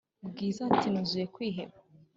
bwiza ati"nuzuye kwiheba"